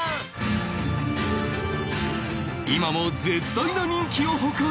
今も絶大な人気を誇る名曲です